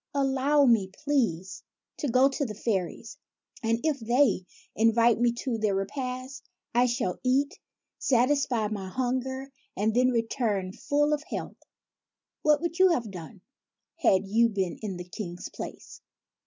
Allow me, please, to go to the fairies ; and, if they invite me to their repast, I shall eat, satisfy my hunger, and then return, full of health." What would you have done, had you been in the King's place